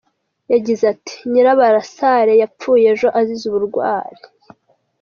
Yagize ati “Nyirabasare yapfuye ejo azize uburwayi.